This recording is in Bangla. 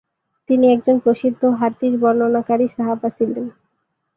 তিনি একজন প্রসিদ্ধ হাদিস বর্ণনাকারী সাহাবা ছিলেন।